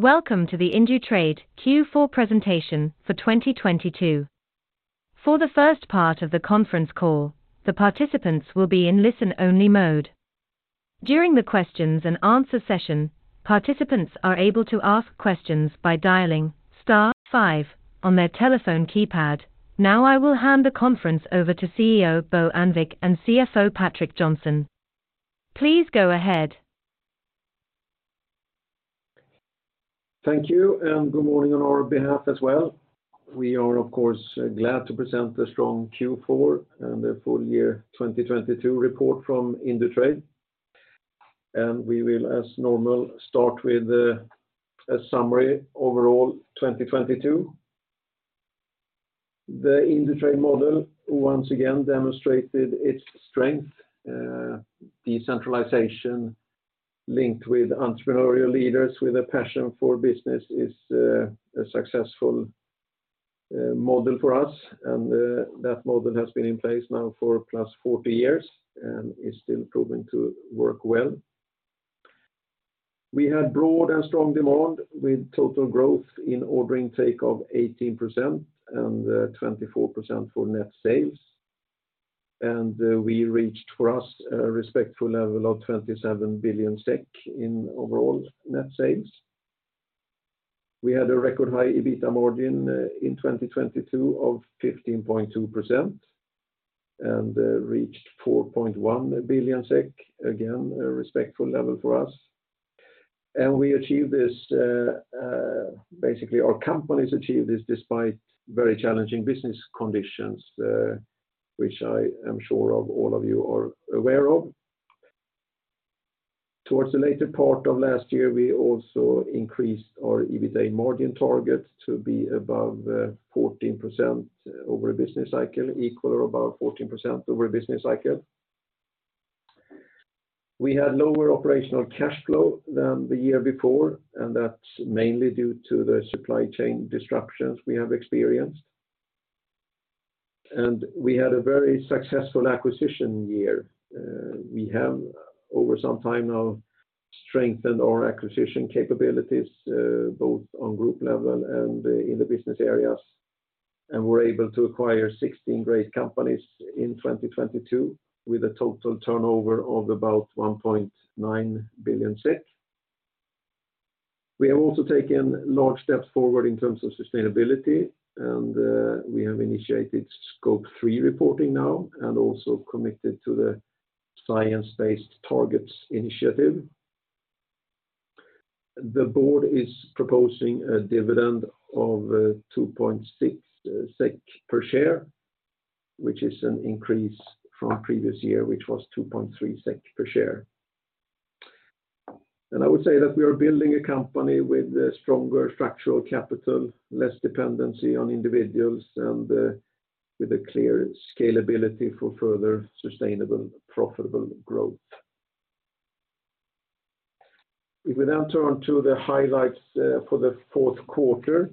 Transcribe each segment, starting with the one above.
Welcome to the Indutrade Q4 presentation for 2022. For the first part of the conference call, the participants will be in listen only mode. During the questions and answer session, participants are able to ask questions by dialing star five on their telephone keypad. Now I will hand the conference over to CEO Bo Annvik and CFO Patrik Johnson. Please go ahead. Thank you. Good morning on our behalf as well. We are, of course, glad to present the strong Q4 and the full year 2022 report from Indutrade. We will, as normal, start with a summary overall 2022. The Indutrade model once again demonstrated its strength, decentralization linked with entrepreneurial leaders with a passion for business is a successful model for us. That model has been in place now for plus 40 years and is still proving to work well. We had broad and strong demand with total growth in order intake of 18% and 24% for net sales. We reached for us a respectful level of 27 billion SEK in overall net sales. We had a record high EBITA margin in 2022 of 15.2%, reached 4.1 billion SEK, again, a respectful level for us. We achieved this, basically, our companies achieved this despite very challenging business conditions, which I am sure of all of you are aware of. Towards the later part of last year, we also increased our EBITA margin target to be above 14% over a business cycle, equal or above 14% over a business cycle. We had lower operational cash flow than the year before, that's mainly due to the supply chain disruptions we have experienced. We had a very successful acquisition year. We have over some time now strengthened our acquisition capabilities, both on group level and in the business areas. We're able to acquire 16 great companies in 2022 with a total turnover of about 1.9 billion SEK. We have also taken large steps forward in terms of sustainability, we have initiated Scope 3 reporting now and also committed to the Science Based Targets initiative. The board is proposing a dividend of 2.6 SEK per share, which is an increase from previous year, which was 2.3 SEK per share. I would say that we are building a company with a stronger structural capital, less dependency on individuals, with a clear scalability for further sustainable, profitable growth. If we now turn to the highlights for the fourth quarter.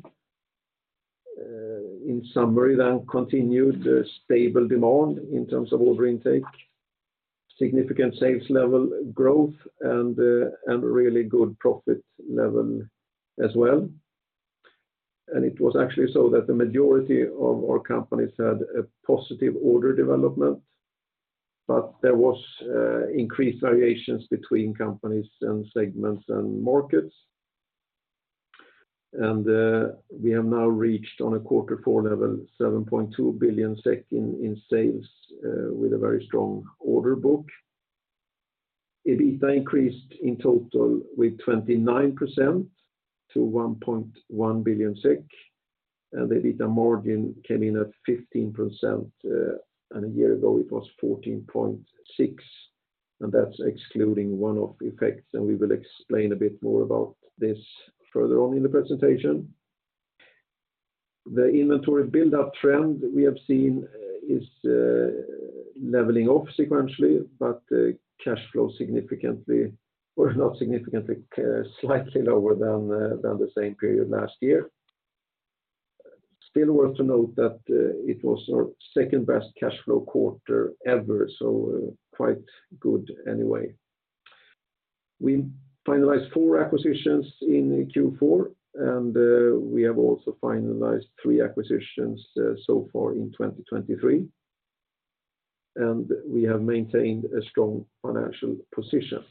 In summary, continued stable demand in terms of order intake, significant sales level growth and really good profit level as well. It was actually so that the majority of our companies had a positive order development, but there was increased variations between companies and segments and markets. We have now reached on a quarter four level 7.2 billion SEK in sales with a very strong order book. EBITA increased in total with 29% to 1.1 billion SEK, and the EBITA margin came in at 15%, and a year ago it was 14.6%, and that's excluding one-off effects, and we will explain a bit more about this further on in the presentation. The inventory buildup trend we have seen is leveling off sequentially, but cash flow not significantly, slightly lower than the same period last year. Still worth to note that it was our second best cash flow quarter ever, so quite good anyway. We finalized four acquisitions in Q4, and we have also finalized three acquisitions so far in 2023, and we have maintained a strong financial position.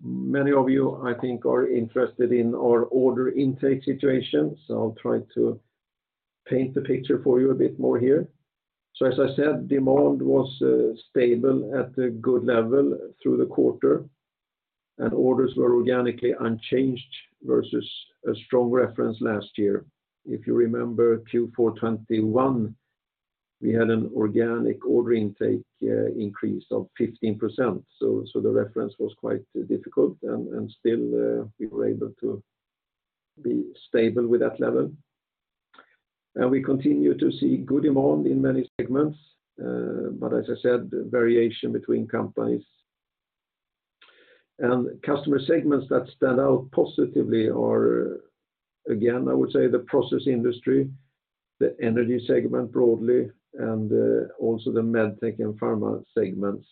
Many of you, I think, are interested in our order intake situation, so I'll try to paint the picture for you a bit more here. As I said, demand was stable at a good level through the quarter, and orders were organically unchanged versus a strong reference last year. If you remember Q4 2021, we had an organic order intake increase of 15%. The reference was quite difficult and still we were able to be stable with that level. We continue to see good demand in many segments, but as I said, variation between companies. Customer segments that stand out positively are, again, I would say the process industry, the energy segment broadly, and also the med tech and pharma segments.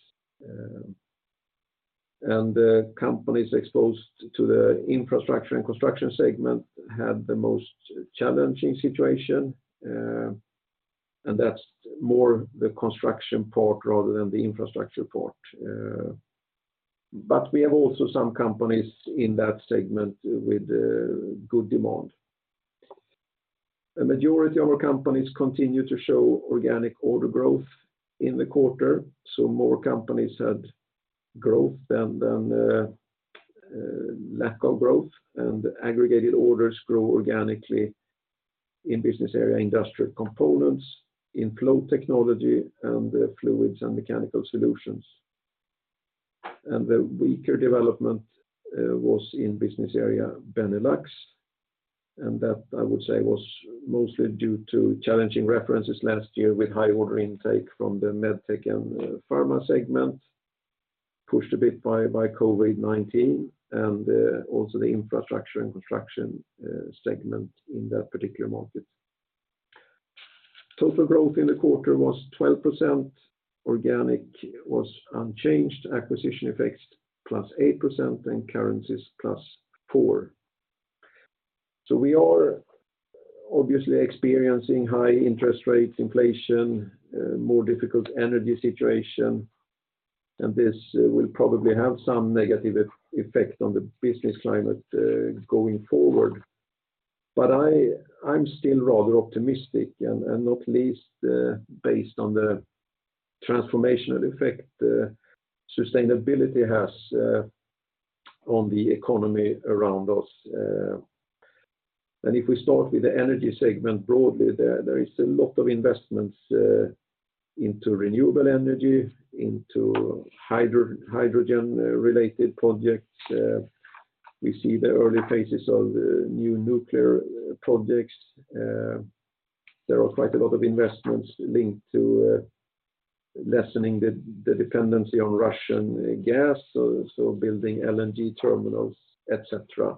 Companies exposed to the infrastructure and construction segment had the most challenging situation, and that's more the construction part rather than the infrastructure part. We have also some companies in that segment with good demand. The majority of our companies continue to show organic order growth in the quarter, so more companies had growth than lack of growth, and aggregated orders grow organically in Business Area Industrial Components, in Flow Technology and Fluids & Mechanical Solutions. The weaker development was in Business Area Benelux, that I would say was mostly due to challenging references last year with high order intake from the medtech and pharma segment, pushed a bit by COVID-19 and also the infrastructure and construction segment in that particular market. Total growth in the quarter was 12% organic, was unchanged acquisition effects +8% and currencies +4%. We are obviously experiencing high interest rates, inflation, more difficult energy situation, and this will probably have some negative effect on the business climate going forward. I'm still rather optimistic and not least based on the transformational effect sustainability has on the economy around us. If we start with the energy segment broadly, there is a lot of investments into renewable energy, into hydrogen-related projects. We see the early phases of new nuclear projects, there are quite a lot of investments linked to lessening the dependency on Russian gas, so building LNG terminals, et cetera.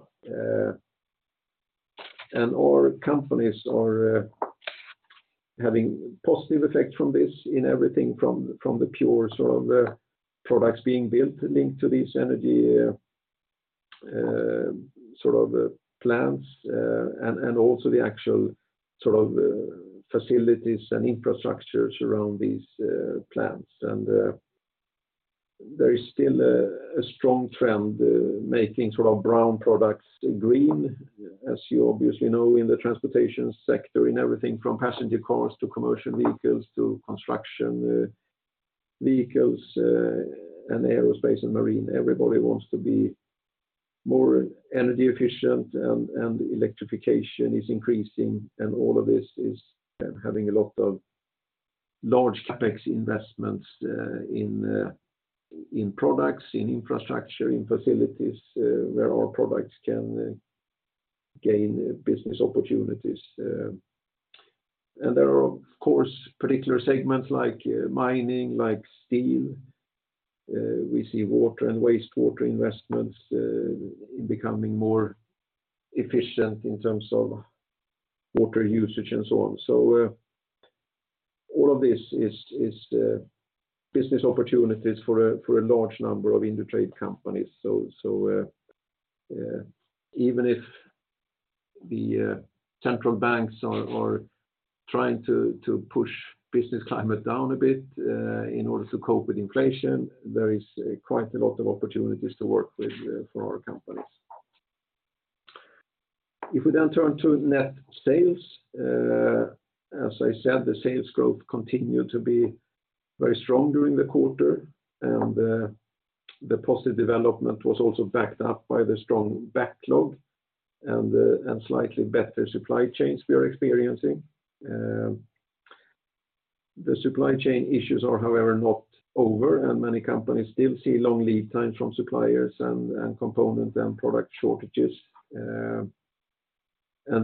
Our companies are having positive effect from this in everything from the pure products being built linked to these energy plants and also the actual facilities and infrastructures around these plants. There is still a strong trend making brown products green, as you obviously know, in the transportation sector, in everything from passenger cars to commercial vehicles to construction vehicles and aerospace and marine. Everybody wants to be more energy efficient and electrification is increasing and all of this is having a lot of large CapEx investments, in products, in infrastructure, in facilities, where our products can gain business opportunities. There are, of course, particular segments like mining, like steel, we see water and wastewater investments becoming more efficient in terms of water usage and so on. All of this is business opportunities for a large number of Indutrade companies. Even if the central banks are trying to push business climate down a bit, in order to cope with inflation, there is quite a lot of opportunities to work with for our companies. We then turn to net sales, as I said, the sales growth continued to be very strong during the quarter, and the positive development was also backed up by the strong backlog and slightly better supply chains we are experiencing. The supply chain issues are however, not over, and many companies still see long lead times from suppliers and component and product shortages.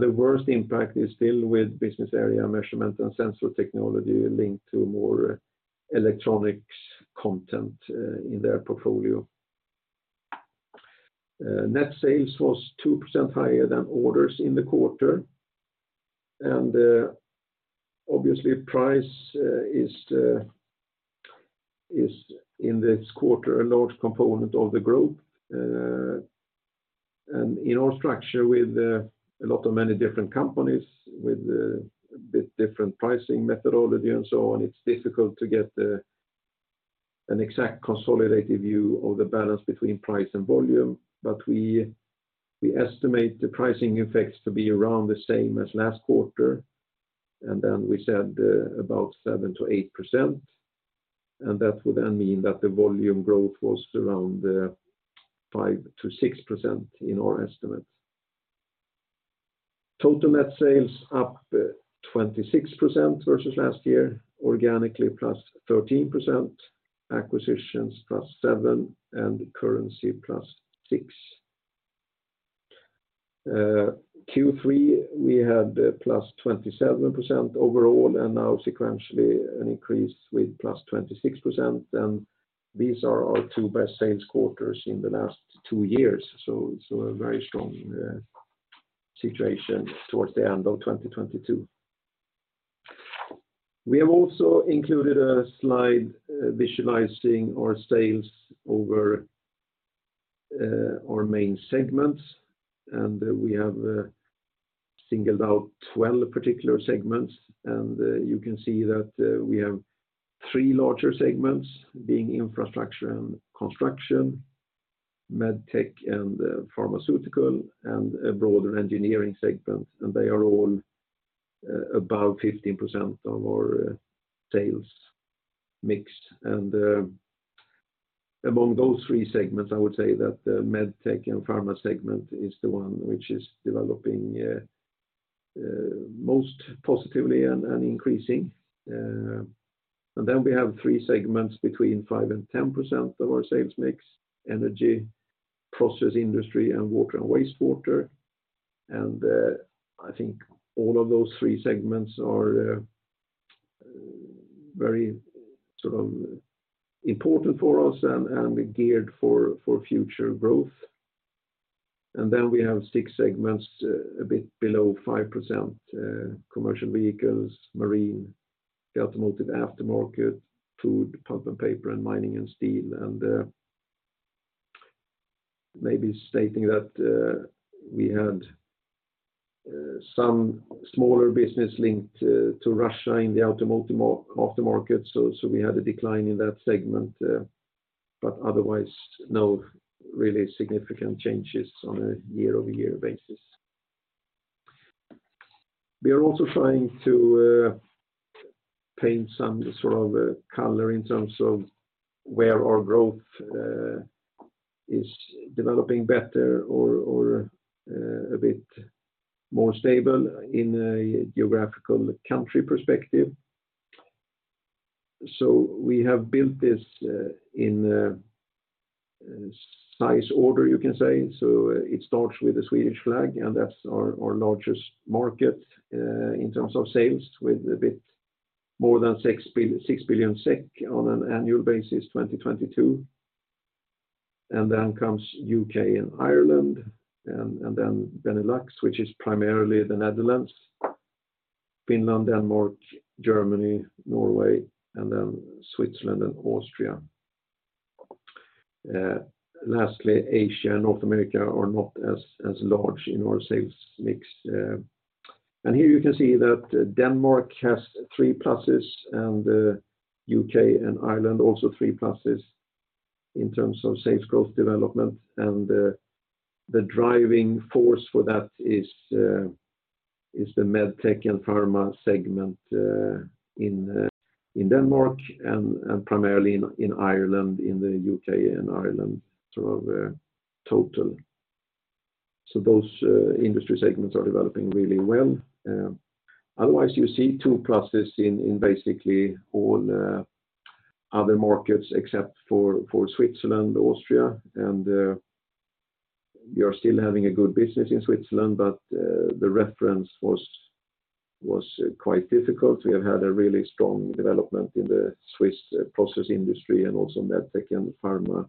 The worst impact is still with Business Area Measurement & Sensor Technology linked to more electronics content in their portfolio. Net sales was 2% higher than orders in the quarter. Obviously price is in this quarter a large component of the growth. In our structure with a lot of many different companies with a bit different pricing methodology and so on, it's difficult to get an exact consolidated view of the balance between price and volume. We estimate the pricing effects to be around the same as last quarter, and then we said about 7%-8%, and that would then mean that the volume growth was around 5%-6% in our estimate. Total net sales up +26% versus last year, organically +13%, acquisitions +7%, and currency +6%. Q3, we had +27% overall, and now sequentially an increase with +26%. These are our two best sales quarters in the last two years, so a very strong situation towards the end of 2022. We have also included a slide, visualizing our sales over our main segments, and we have singled out 12 particular segments. You can see that we have three larger segments, being infrastructure and construction, med tech and pharmaceutical, and a broader engineering segment. They are all above 15% of our sales mix. Among those three segments, I would say that the med tech and pharma segment is the one which is developing most positively and increasing. We have three segments between 5% and 10% of our sales mix: energy, process industry, and water and wastewater. I think all of those three segments are very, sort of important for us and geared for future growth. We have six segments, a bit below 5%, commercial vehicles, marine, the automotive aftermarket, food, pulp and paper, and mining and steel. Maybe stating that we had some smaller business linked to Russia in the automotive aftermarket, so we had a decline in that segment, but otherwise, no really significant changes on a year-over-year basis. We are also trying to paint some sort of color in terms of where our growth is developing better or a bit more stable in a geographical country perspective. We have built this in a size order, you can say. It starts with the Swedish flag, and that's our largest market in terms of sales, with a bit more than 6 billion SEK on an annual basis, 2022. comes U.K. and Ireland, then Benelux, which is primarily the Netherlands, Finland, Denmark, Germany, Norway, and then Switzerland and Austria. Lastly, Asia and North America are not as large in our sales mix. Here you can see that Denmark has three pluses, and U.K. and Ireland also three pluses in terms of sales growth development. The driving force for that is the med tech and pharma segment in Denmark and primarily in Ireland, in the U.K. and Ireland sort of total. Those industry segments are developing really well. Otherwise you see two pluses in basically all other markets except for Switzerland, Austria, we are still having a good business in Switzerland, but the reference was quite difficult. We have had a really strong development in the Swiss process industry and also med tech and pharma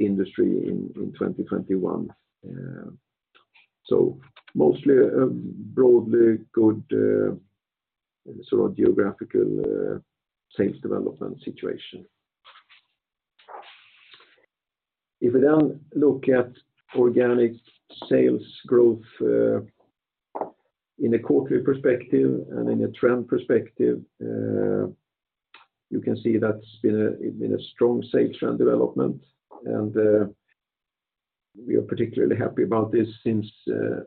industry in 2021. Mostly a broadly good sort of geographical sales development situation. If we look at organic sales growth in a quarterly perspective and in a trend perspective, you can see that's been a strong sales trend development. We are particularly happy about this since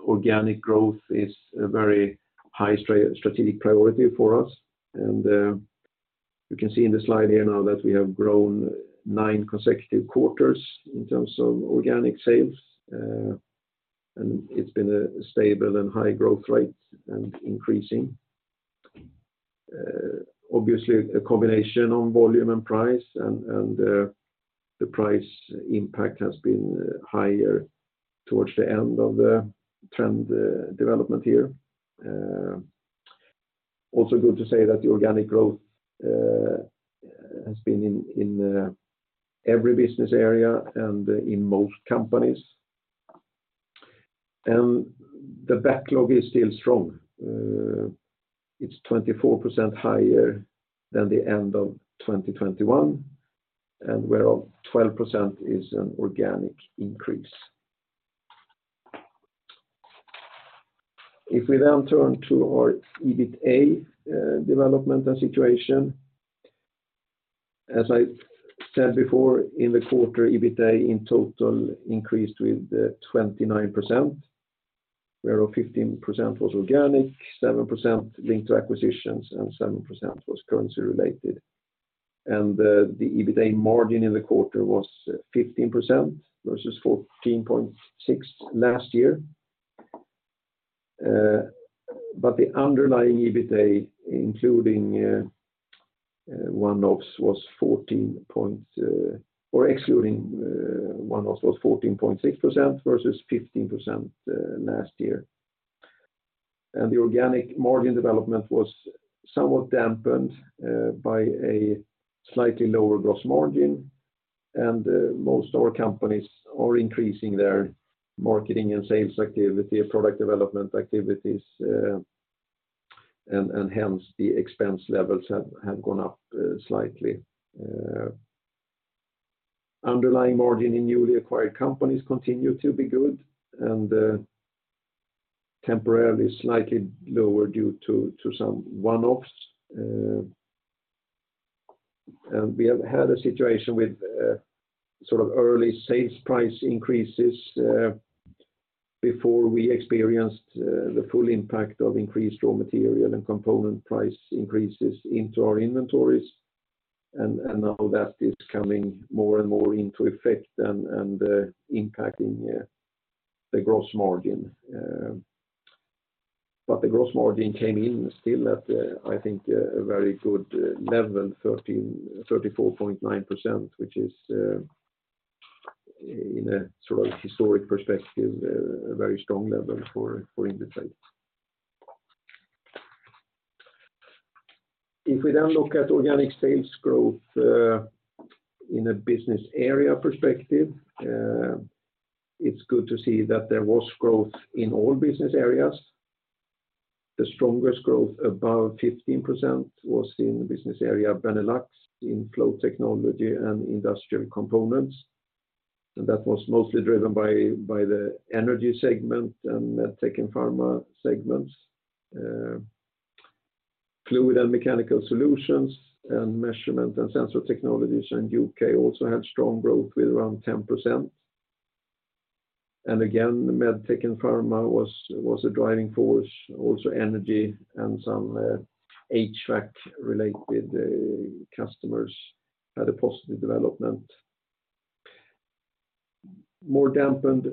organic growth is a very high strategic priority for us. You can see in the slide here now that we have grown nine consecutive quarters in terms of organic sales, and it's been a stable and high growth rate and increasing. Obviously a combination of volume and price and the price impact has been higher towards the end of the trend development here. Also good to say that the organic growth has been in every business area and in most companies. The backlog is still strong. It's 24% higher than the end of 2021, and whereof 12% is an organic increase. If we then turn to our EBITA development and situation, as I said before, in the quarter, EBITA in total increased with 29%, whereof 15% was organic, 7% linked to acquisitions, and 7% was currency related. The EBITA margin in the quarter was 15% versus 14.6 last year. But the underlying EBITA, excluding one-offs was 14.6% versus 15% last year. The organic margin development was somewhat dampened by a slightly lower gross margin, and most of our companies are increasing their marketing and sales activity, product development activities, and hence the expense levels have gone up slightly. Underlying margin in newly acquired companies continue to be good, and temporarily slightly lower due to some one-offs. We have had a situation with sort of early sales price increases before we experienced the full impact of increased raw material and component price increases into our inventories. Now that is coming more and more into effect and impacting the gross margin. The gross margin came in still at, I think a very good level, 34.9%, which is in a sort of historic perspective, a very strong level for Indutrade. If we now look at organic sales growth, in a business area perspective, it's good to see that there was growth in all business areas. The strongest growth above 15% was in the business area Benelux, in Flow Technology and Industrial Components. That was mostly driven by the energy segment and med tech and pharma segments. Fluids & Mechanical Solutions and Measurement & Sensor Technology in U.K. also had strong growth with around 10%. Again, med tech and pharma was a driving force, also energy and some HVAC-related customers had a positive development. More dampened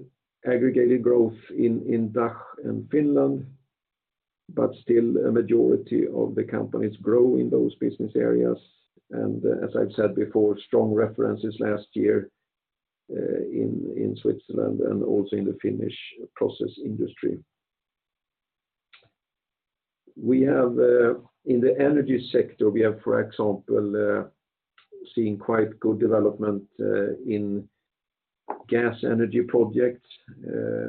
aggregated growth in DACH and Finland, but still a majority of the companies grow in those business areas. As I've said before, strong references last year in Switzerland and also in the Finnish process industry. We have in the energy sector, we have, for example, seen quite good development in gas energy projects.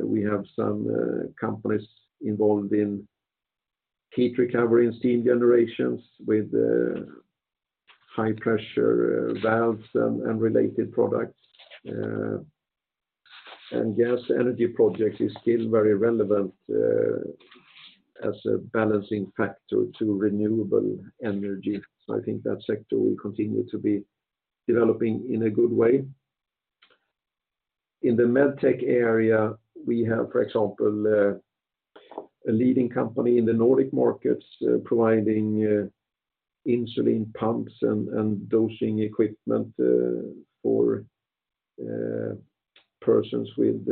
We have some companies involved in heat recovery and steam generations with high pressure valves and related products. Gas energy projects is still very relevant as a balancing factor to renewable energy. I think that sector will continue to be developing in a good way. In the medtech area, we have, for example, a leading company in the Nordic markets, providing insulin pumps and dosing equipment for persons with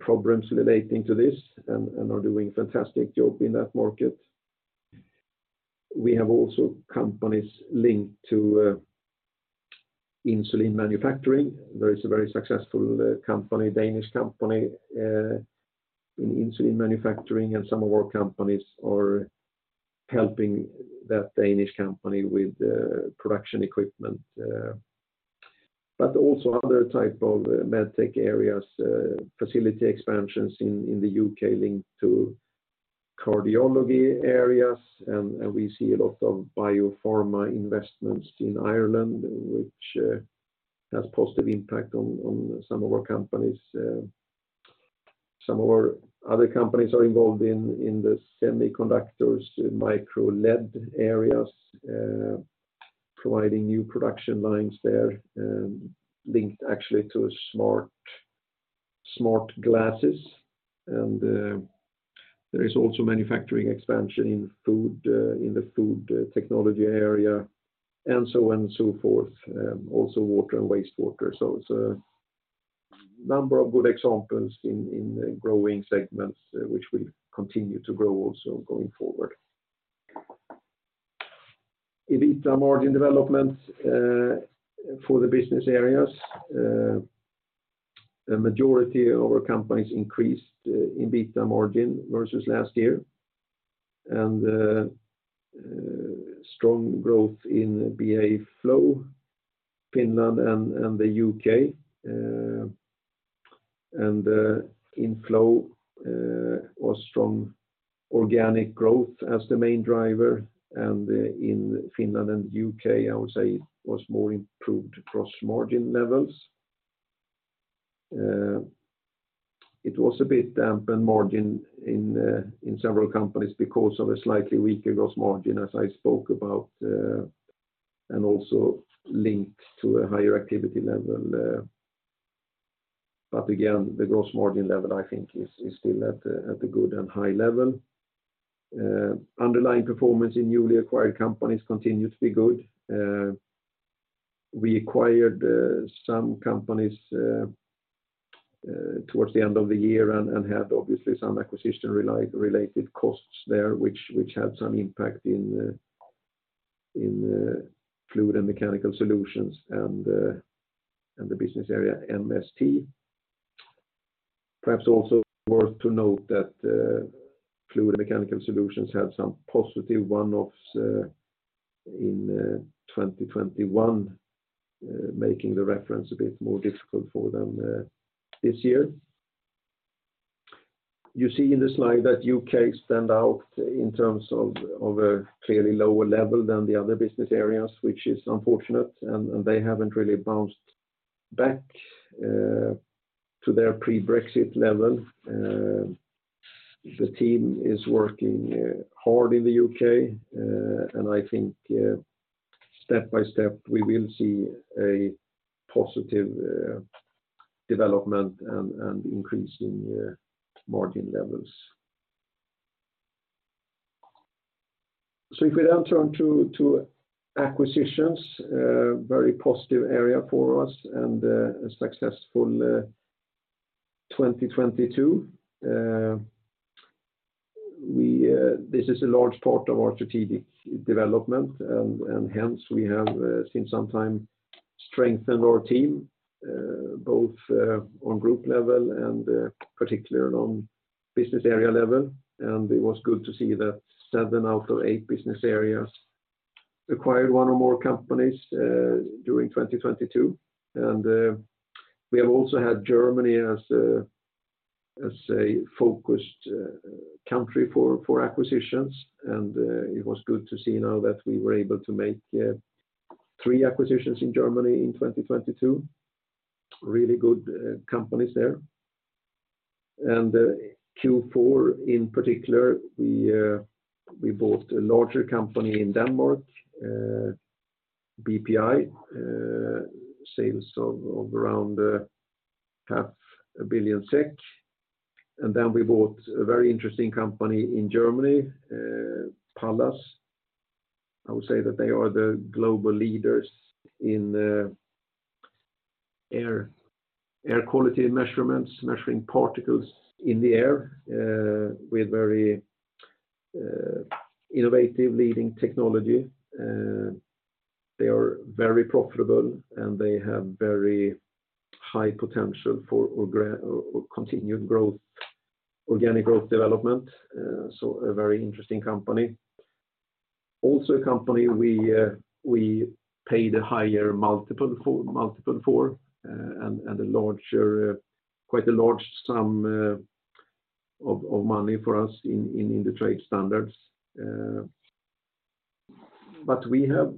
problems relating to this and are doing fantastic job in that market. We have also companies linked to insulin manufacturing. There is a very successful company, Danish company, in insulin manufacturing, and some of our companies are helping that Danish company with production equipment. But also other type of medtech areas, facility expansions in the U.K. linked to cardiology areas. We see a lot of biopharma investments in Ireland, which has positive impact on some of our companies. Some of our other companies are involved in the semiconductors, MicroLED areas, providing new production lines there, linked actually to smart glasses. There is also manufacturing expansion in food, in the food technology area, and so on and so forth, also water and wastewater. It's a number of good examples in growing segments which will continue to grow also going forward. EBITDA margin development for the business areas, a majority of our companies increased EBITDA margin versus last year, and strong growth in BA Flow, Finland and the UK. In Flow was strong organic growth as the main driver. In Finland and U.K., I would say it was more improved gross margin levels. It was a bit dampened margin in several companies because of a slightly weaker gross margin as I spoke about, and also linked to a higher activity level. Again, the gross margin level I think is still at a good and high level. Underlying performance in newly acquired companies continue to be good. We acquired some companies towards the end of the year and had obviously some acquisition related costs there, which had some impact in Fluids & Mechanical Solutions and the business area MST. Perhaps also worth to note that Fluids & Mechanical Solutions had some positive one-offs in 2021, making the reference a bit more difficult for them this year. You see in the slide that U.K. stand out in terms of a clearly lower level than the other business areas, which is unfortunate, and they haven't really bounced back to their pre-Brexit level. The team is working hard in the U.K., and I think step-by-step, we will see a positive development and increase in margin levels. If we now turn to acquisitions, very positive area for us and a successful 2022. This is a large part of our strategic development, and hence we have since some time strengthened our team, both on group level and particularly on business area level. It was good to see that 7 out of 8 business areas acquired 1 or more companies during 2022. We have also had Germany as a focused country for acquisitions. It was good to see now that we were able to make three acquisitions in Germany in 2022, really good companies there. Q4 in particular, we bought a larger company in Denmark, BPI, sales of around half a billion SEK. We bought a very interesting company in Germany, Palas. I would say that they are the global leaders in air quality measurements, measuring particles in the air, with very innovative leading technology. They are very profitable, and they have very high potential for continued growth, organic growth development, so a very interesting company. Also a company we paid a higher multiple for, and a larger, quite a large sum of money for us in Indutrade standards. We have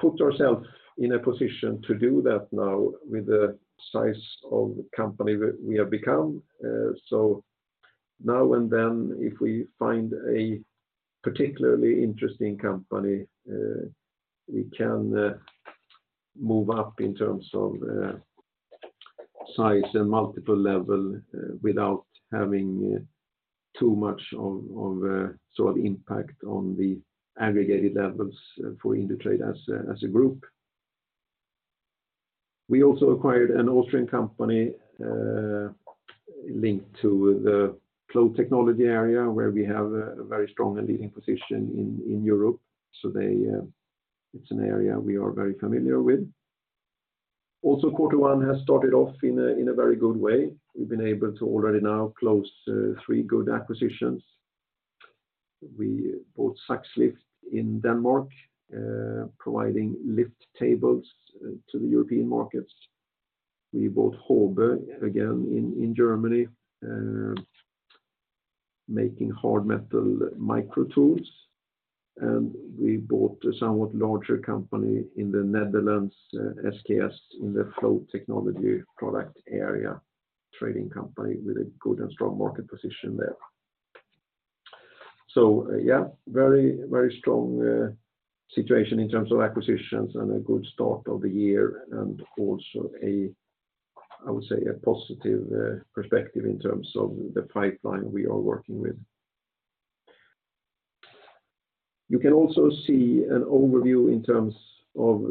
put ourself in a position to do that now with the size of the company we have become. Now and then, if we find a particularly interesting company, we can move up in terms of size and multiple level without having too much of, sort of impact on the aggregated levels for Indutrade as a group. We also acquired an Austrian company linked to the flow technology area where we have a very strong and leading position in Europe. So they. It's an area we are very familiar with. Quarter one has started off in a very good way. We've been able to already now close three good acquisitions. We bought Sax Lift in Denmark, providing lift tables to the European markets. We bought Hobe, again in Germany, making hard metal micro tools. We bought a somewhat larger company in the Netherlands, SKS, in the Flow Technology product area, trading company with a good and strong market position there. Yeah, very strong situation in terms of acquisitions and a good start of the year and also a, I would say, a positive perspective in terms of the pipeline we are working with. You can also see an overview in terms of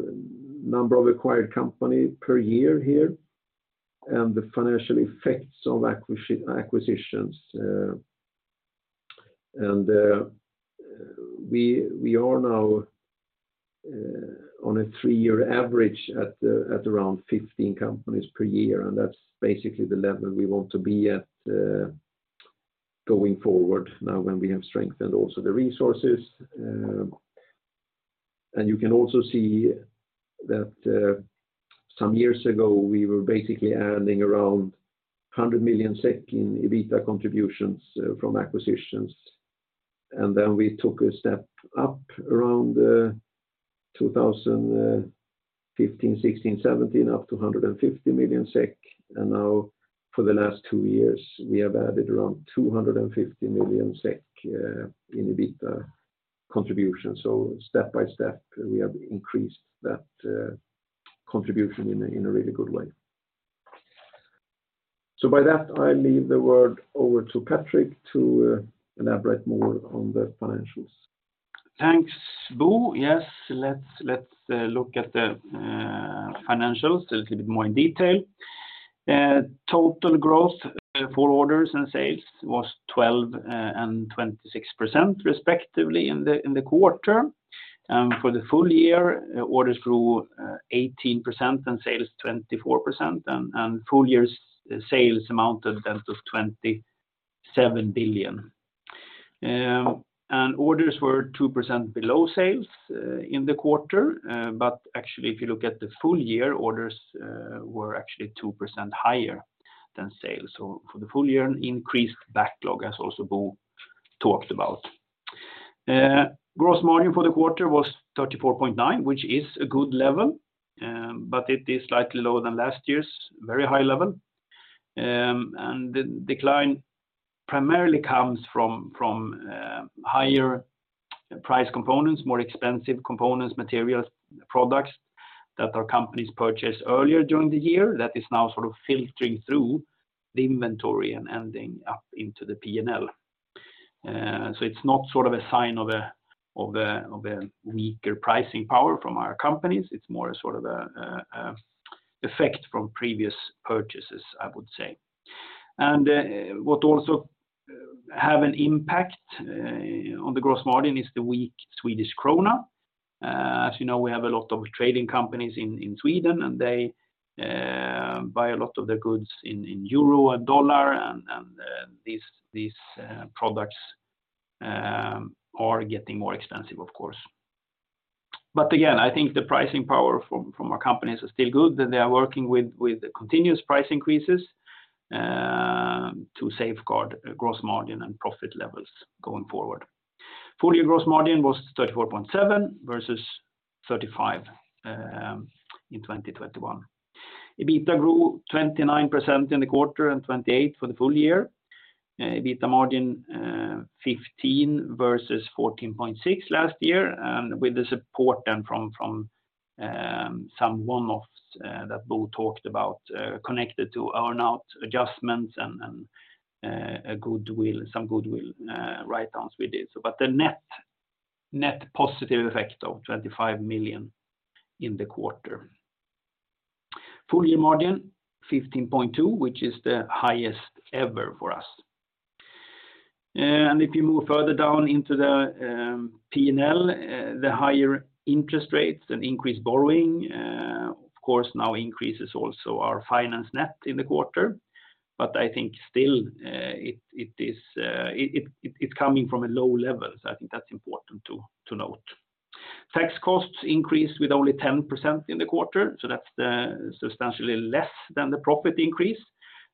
number of acquired company per year here and the financial effects of acquisitions. We are now on a three-year average at around 15 companies per year, and that's basically the level we want to be at going forward now when we have strengthened also the resources. You can also see that some years ago, we were basically adding around 100 million SEK in EBITDA contributions from acquisitions. Then we took a step up around 2015, 2016, 2017, up to 150 million SEK. Now for the last two years, we have added around 250 million SEK in EBITDA contribution. Step-by-step, we have increased that contribution in a really good way. So by that, I leave the word over to Patrik to elaborate more on the financials. Thanks, Bo. Yes, let's look at the financials a little bit more in detail. Total growth for orders and sales was 12% and 26% respectively in the quarter. For the full year, orders grew 18% and sales 24%. Full year's sales amounted then to 27 billion. Orders were 2% below sales in the quarter. Actually, if you look at the full year, orders were actually 2% higher than sales. For the full year, an increased backlog as also Bo talked about. Gross margin for the quarter was 34.9%, which is a good level, but it is slightly lower than last year's very high level. The decline primarily comes from higher price components, more expensive components, materials, products that our companies purchased earlier during the year that is now sort of filtering through the inventory and ending up into the P&L. It's not sort of a sign of a weaker pricing power from our companies. It's more sort of a effect from previous purchases, I would say. What also have an impact on the gross margin is the weak Swedish krona. As you know, we have a lot of trading companies in Sweden, they buy a lot of their goods in euro and dollar and these products are getting more expensive of course. Again, I think the pricing power from our companies are still good. That they are working with continuous price increases, to safeguard gross margin and profit levels going forward. Full year gross margin was 34.7% versus 35% in 2021. EBITDA grew 29% in the quarter and 28% for the full year. EBITDA margin 15% versus 14.6% last year, with the support then from some one-offs that Bo talked about, connected to earn-out adjustments and some goodwill write-downs we did. The net positive effect of 25 million in the quarter. Full year margin 15.2%, which is the highest ever for us. If you move further down into the P&L, the higher interest rates and increased borrowing, of course now increases also our finance net in the quarter. I think still, it is, it's coming from a low level. I think that's important to note. Tax costs increased with only 10% in the quarter. That's substantially less than the profit increase.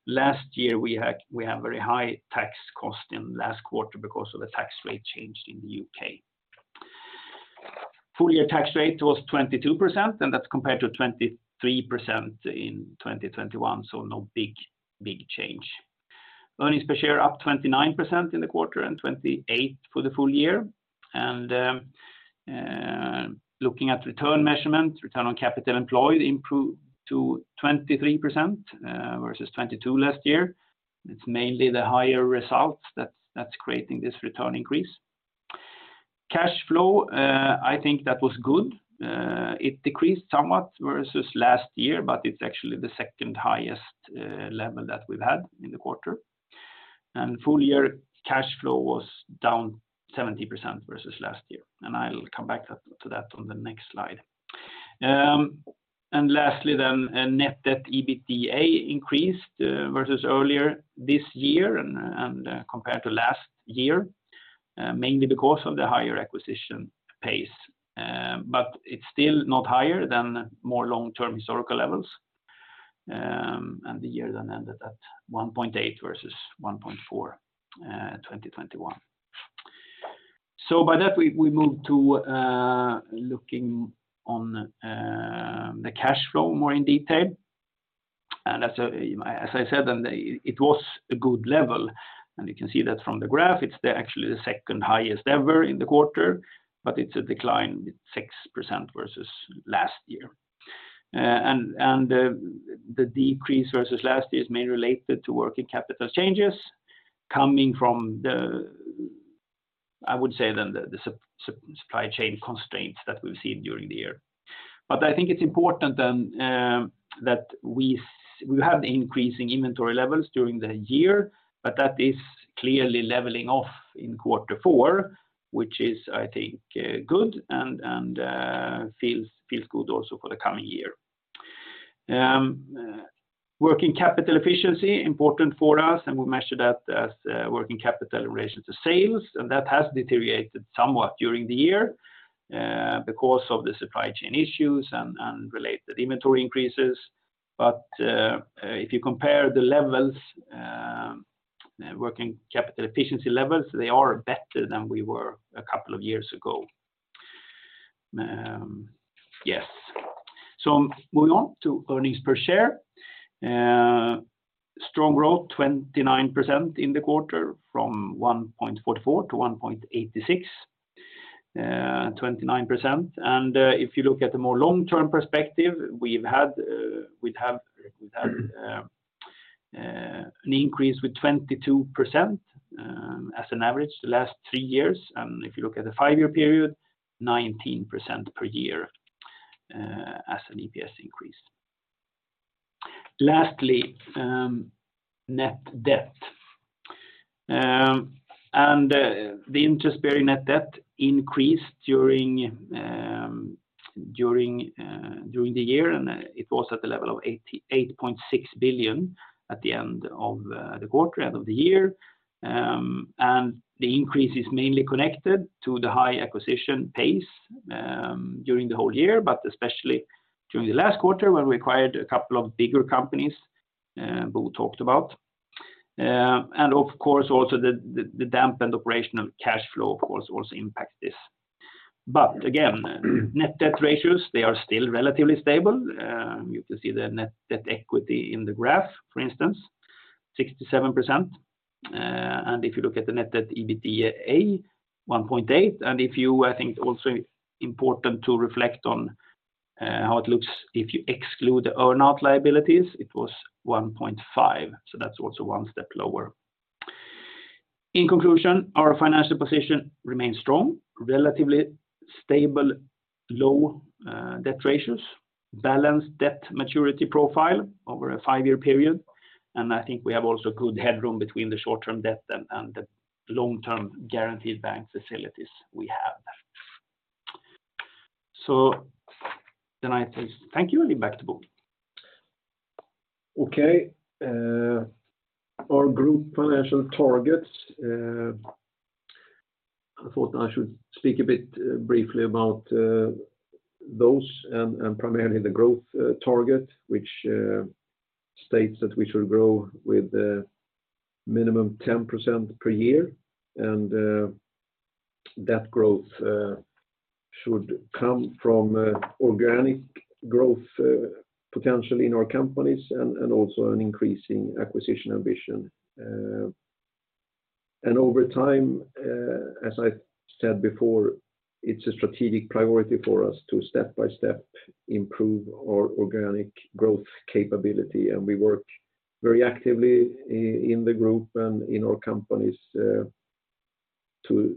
Last year we had very high tax cost in last quarter because of the tax rate change in the U.K. Full year tax rate was 22%. That's compared to 23% in 2021. No big change. Earnings per share up 29% in the quarter and 28% for the full year. Looking at return measurements, Return on Capital Employed improved to 23% versus 22% last year. It's mainly the higher results that's creating this return increase. Cash flow, I think that was good. It decreased somewhat versus last year, but it's actually the second highest level that we've had in the quarter. Full year cash flow was down 70% versus last year. I'll come back to that on the next slide. Lastly, Net Debt/EBITDA increased versus earlier this year and compared to last year, mainly because of the higher acquisition pace. It's still not higher than more long-term historical levels. The year ended at 1.8 versus 1.4, 2021. By that, we move to looking on the cash flow more in detail. As I said then, it was a good level. You can see that from the graph. It's the actually the second highest ever in the quarter, but it's a decline 6% versus last year. The decrease versus last year is mainly related to working capital changes coming from the, I would say then the supply chain constraints that we've seen during the year. I think it's important then that we have the increasing inventory levels during the year, but that is clearly leveling off in quarter four, which is, I think, good and feels good also for the coming year. Working capital efficiency important for us, and we measure that as working capital in relation to sales, and that has deteriorated somewhat during the year because of the supply chain issues and related inventory increases. If you compare the levels, working capital efficiency levels, they are better than we were a couple of years ago. Yes. Moving on to EPS. Strong growth, 29% in the quarter from 1.44 to 1.86. 29%. If you look at the more long-term perspective, we've had, we'd have an increase with 22% as an average the last three years. If you look at the five-year period, 19% per year as an EPS increase. Lastly, Net Debt. The interest-bearing Net Debt increased during the year, it was at the level of 8.6 billion at the end of the quarter, end of the year. The increase is mainly connected to the high acquisition pace during the whole year, but especially during the last quarter when we acquired a couple of bigger companies Bo talked about. Of course, also the dampened operational cash flow, of course, also impact this. Again, net debt ratios, they are still relatively stable. You can see the net debt/equity in the graph, for instance, 67%. If you look at the Net Debt/EBITDA, 1.8. I think it's also important to reflect on how it looks if you exclude the earn-out liabilities, it was 1.5. That's also one step lower. In conclusion, our financial position remains strong, relatively stable, low debt ratios, balanced debt maturity profile over a five-year period. I think we have also good headroom between the short-term debt and the long-term guaranteed bank facilities we have. I say thank you, and back to Bo. Okay. Our group financial targets, I thought I should speak a bit briefly about those and primarily the growth target, which states that we should grow with minimum 10% per year. That growth should come from organic growth, potentially in our companies and also an increasing acquisition ambition. Over time, as I said before, it's a strategic priority for us to step by step improve our organic growth capability, and we work very actively in the group and in our companies to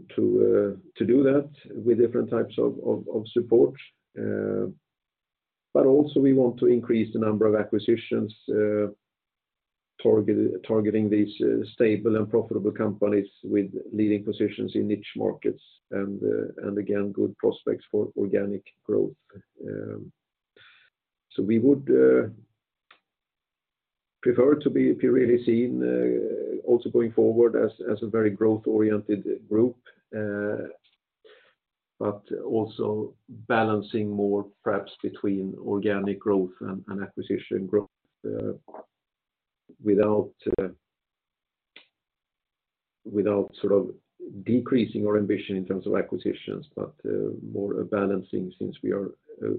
do that with different types of support. Also we want to increase the number of acquisitions, targeting these stable and profitable companies with leading positions in niche markets and again, good prospects for organic growth. We would prefer to be really seen also going forward as a very growth-oriented group, but also balancing more perhaps between organic growth and acquisition growth, without sort of decreasing our ambition in terms of acquisitions, but more balancing since we are a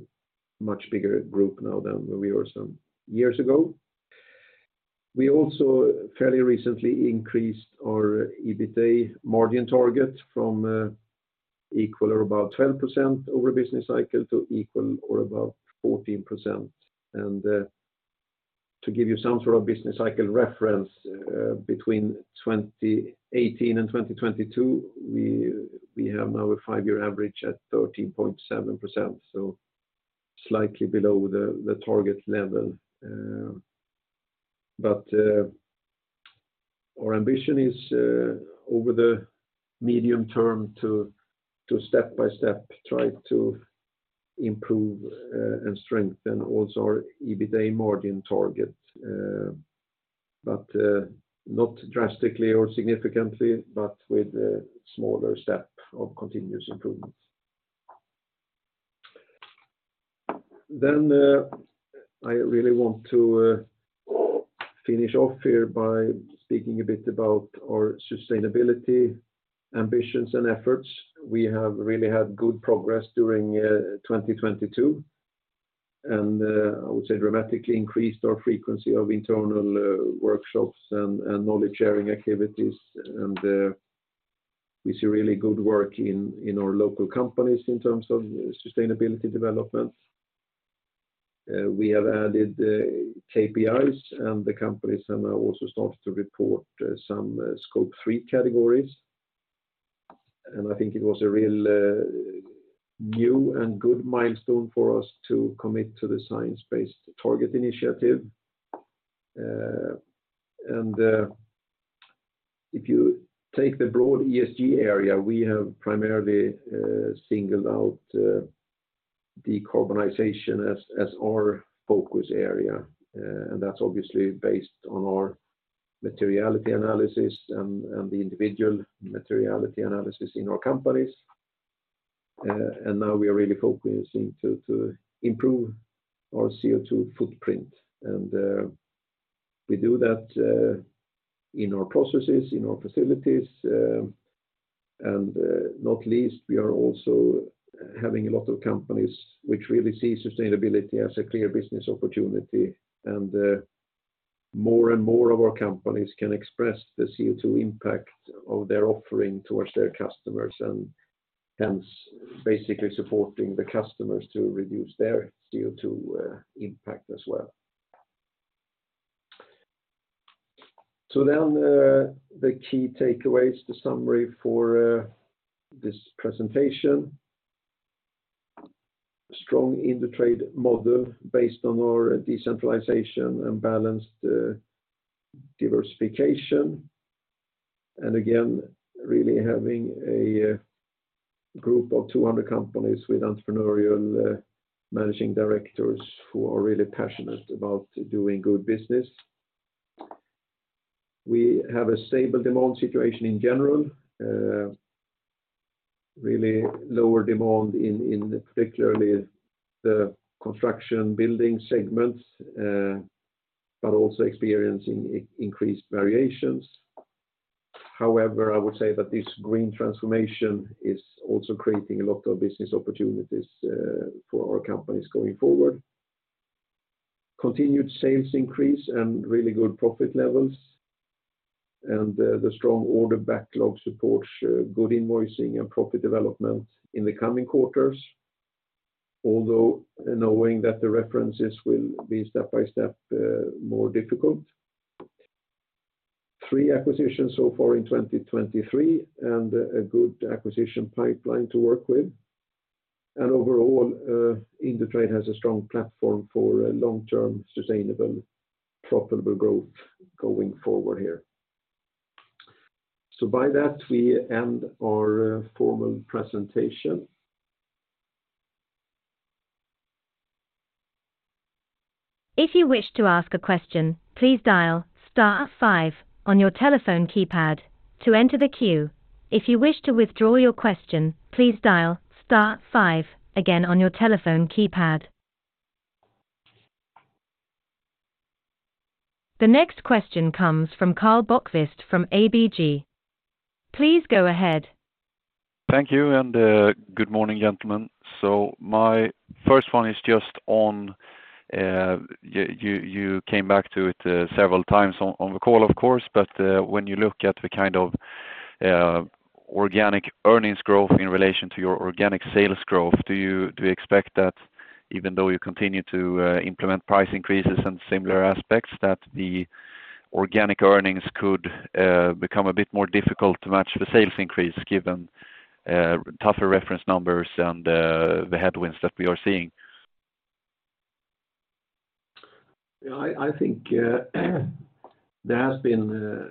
much bigger group now than we were some years ago. We also fairly recently increased our EBITA margin target from equal or about 12% over a business cycle to equal or about 14%. To give you some sort of business cycle reference, between 2018 and 2022, we have now a five-year average at 13.7%, so slightly below the target level. Our ambition is over the medium term to step by step try to improve and strengthen also our EBITA margin target, but not drastically or significantly, but with a smaller step of continuous improvement. I really want to finish off here by speaking a bit about our sustainability ambitions and efforts. We have really had good progress during 2022. I would say dramatically increased our frequency of internal workshops and knowledge sharing activities. We see really good work in our local companies in terms of sustainability developments. We have added KPIs and the companies have now also started to report some Scope 3 categories. I think it was a real new and good milestone for us to commit to the Science Based Targets initiative. If you take the broad ESG area, we have primarily singled out decarbonization as our focus area. That's obviously based on our materiality analysis and the individual materiality analysis in our companies. Now we are really focusing to improve our CO2 footprint. We do that in our processes, in our facilities, and not least we are also having a lot of companies which really see sustainability as a clear business opportunity, and more and more of our companies can express the CO2 impact of their offering towards their customers, and hence basically supporting the customers to reduce their CO2 impact as well. The key takeaways, the summary for this presentation. Strong Indutrade model based on our decentralization and balanced diversification. Really having a group of 200 companies with entrepreneurial managing directors who are really passionate about doing good business. We have a stable demand situation in general. Really lower demand in particularly the construction building segments, but also experiencing increased variations. I would say that this green transformation is also creating a lot of business opportunities for our companies going forward. Continued sales increase and really good profit levels. The strong order backlog supports good invoicing and profit development in the coming quarters, although knowing that the references will be step by step more difficult. Three acquisitions so far in 2023 and a good acquisition pipeline to work with. Overall, Indutrade has a strong platform for long-term, sustainable, profitable growth going forward here. We end our formal presentation. If you wish to ask a question, please dial star five on your telephone keypad to enter the queue. If you wish to withdraw your question, please dial star five again on your telephone keypad. The next question comes from Karl Bokvist from ABG. Please go ahead. Thank you, and good morning, gentlemen. My first one is just on, you came back to it several times on the call, of course. When you look at the kind of organic earnings growth in relation to your organic sales growth, do you expect that even though you continue to implement price increases and similar aspects, that the organic earnings could become a bit more difficult to match the sales increase given tougher reference numbers and the headwinds that we are seeing? Yeah, I think there has been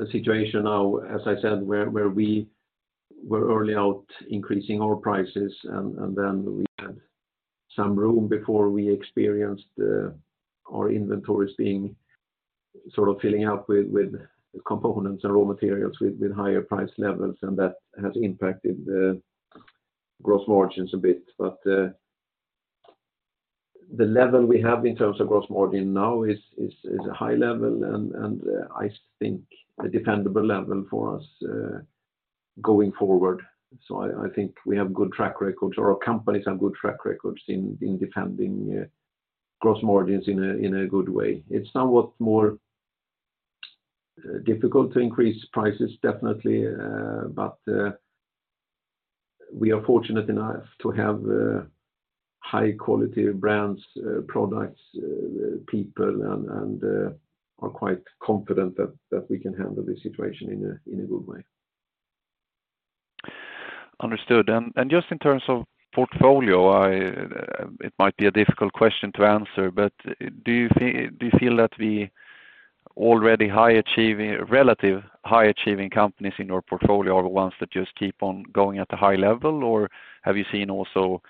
a situation now, as I said, where we were early out increasing our prices, and then we had some room before we experienced our inventories being sort of filling up with components and raw materials with higher price levels, and that has impacted the gross margins a bit. The level we have in terms of gross margin now is a high level and I think a dependable level for us going forward. I think we have good track records, or our companies have good track records in defending gross margins in a good way. It's somewhat more difficult to increase prices, definitely, but we are fortunate enough to have high quality brands, products, people and are quite confident that we can handle the situation in a good way. Understood. Just in terms of portfolio, it might be a difficult question to answer, but do you feel that the already relative high achieving companies in your portfolio are the ones that just keep on going at a high level? Or have you seen also,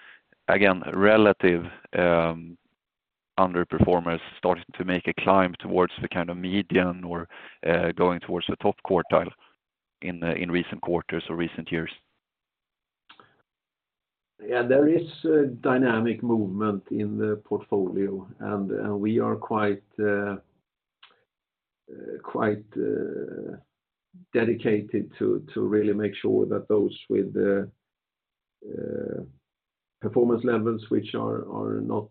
again, relative underperformers starting to make a climb towards the kind of median or going towards the top quartile in recent quarters or recent years? Yeah, there is a dynamic movement in the portfolio, and we are quite dedicated to really make sure that those with the performance levels which are not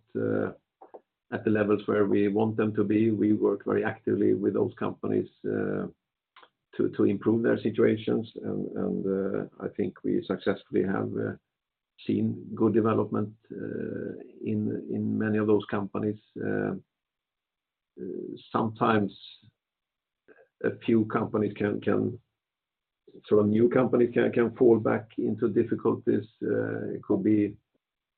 at the levels where we want them to be, we work very actively with those companies to improve their situations. I think we successfully have seen good development in many of those companies. Sometimes a few companies can sort of new companies can fall back into difficulties. It could be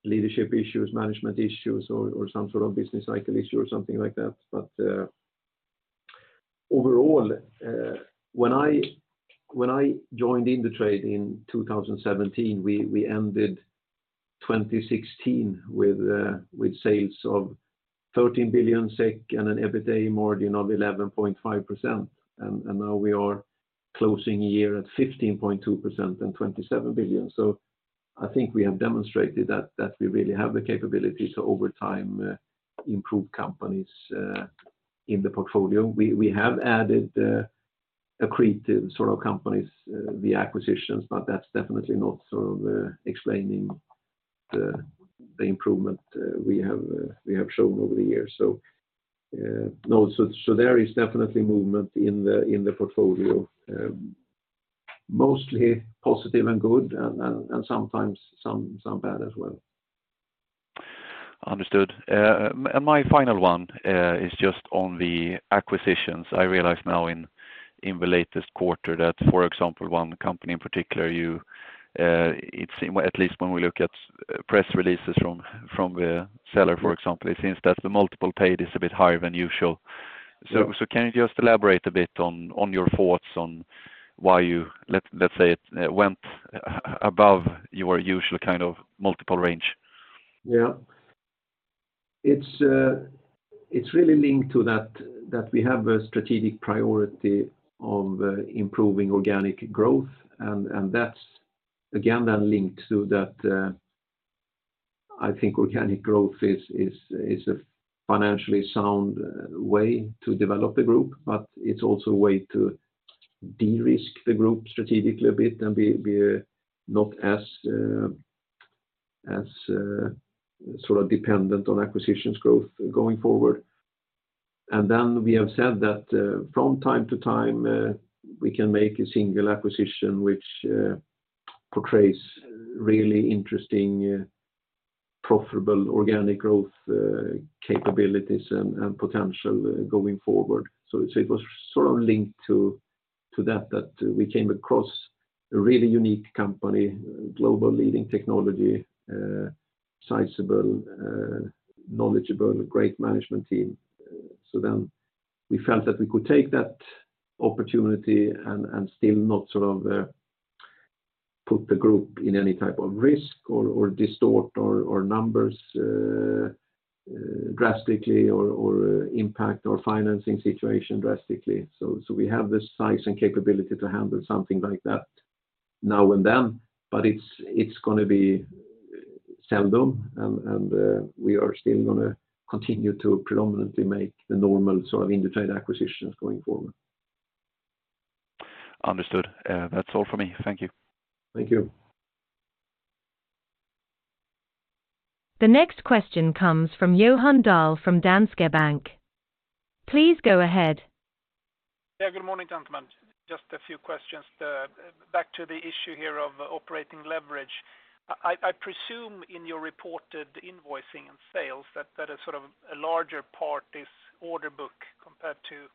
leadership issues, management issues or some sort of business cycle issue or something like that. Overall, when I joined Indutrade in 2017, we ended 2016 with sales of 13 billion SEK and an EBITA margin of 11.5%. Now we are closing a year at 15.2% and 27 billion. I think we have demonstrated that we really have the capability to, over time, improve companies in the portfolio. We have added accretive sort of companies via acquisitions, but that's definitely not sort of explaining the improvement we have shown over the years. No, there is definitely movement in the portfolio, mostly positive and good and sometimes some bad as well. Understood. My final one is just on the acquisitions. I realize now in the latest quarter that, for example, one company in particular, you, it seems at least when we look at press releases from the seller, for example, it seems that the multiple paid is a bit higher than usual. Yeah. Can you just elaborate a bit on your thoughts on why you, let's say it, went above your usual kind of multiple range? Yeah. It's, it's really linked to that we have a strategic priority of improving organic growth. That's again then linked to that, I think organic growth is a financially sound way to develop the group, but it's also a way to de-risk the group strategically a bit and be not as, sort of dependent on acquisitions growth going forward. We have said that from time to time, we can make a single acquisition which portrays really interesting profitable organic growth capabilities and potential going forward. It was sort of linked to that we came across a really unique company, global leading technology, sizable, knowledgeable, great management team. We felt that we could take that opportunity and still not sort of, put the group in any type of risk or distort our numbers drastically or impact our financing situation drastically. We have the size and capability to handle something like that now and then, but it's gonna be seldom and we are still gonna continue to predominantly make the normal sort of Indutrade acquisitions going forward. Understood. That's all for me. Thank you. Thank you. The next question comes from Johan Dahl from Danske Bank. Please go ahead. Yeah, good morning, gentlemen. Just a few questions. Back to the issue here of operating leverage. I presume in your reported invoicing and sales that is sort of a larger part is order book compared to